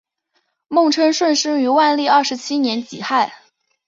孟称舜生于万历二十七年己亥。